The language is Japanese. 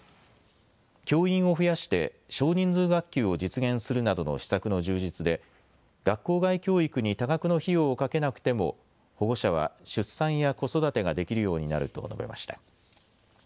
教員を増やして少人数学級を実現するなどの施策の充実で学校外教育に多額の費用をかけなくても保護者は出産や子育てができるようになると述べました。